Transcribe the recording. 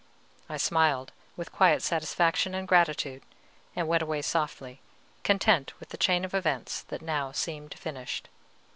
I smiled with quiet satisfaction and gratitude, and went away softly, content with the chain of events that now seemed finished.